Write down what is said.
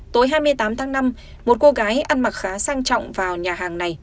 tối hai mươi tám tháng năm một cô gái ăn mặc khá sang trọng vào nhà hàng này